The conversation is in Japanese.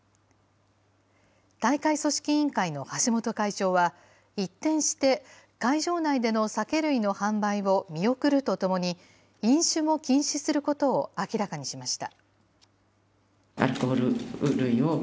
大会組織委員会の橋本会長は、一転して、会場内での酒類の販売を見送るとともに、飲酒も禁止することを明らかにしました。